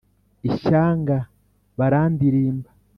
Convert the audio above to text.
ishyanga barandirimba